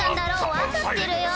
分かってるよ！